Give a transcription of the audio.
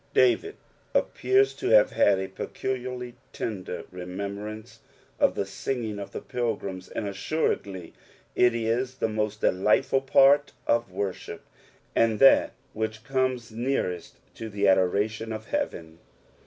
David appears to have had a peculiarly tender remembrance of tKe tinging at t\ie pilgrims, and assuredly it is the most delightful part of worship ■nd that which comes nearest to the adoration of heaven.